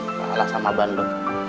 kalah sama band lo